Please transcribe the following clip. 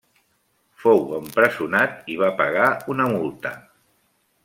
Fou empresonat i va pagar una multa.